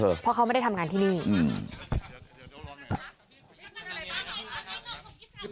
เพราะเขาไม่ได้ทำงานที่นี่อืม